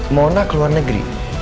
mona ke luar negeri